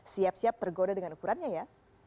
siap siap tergoda dengan ukurannya ya